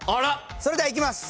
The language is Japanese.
それではいきます！